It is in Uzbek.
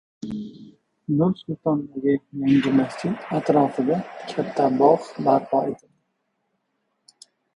Nur-Sultondagi yangi masjid atrofida katta bog‘ barpo etiladi